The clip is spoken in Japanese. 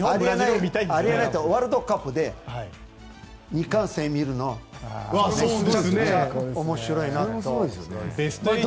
でも、ワールドカップで日韓戦見るのも面白いなと。